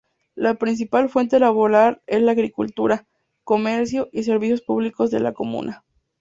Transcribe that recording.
La principal fuente laboral es la Agricultura, comercio y servicios públicos de la comuna.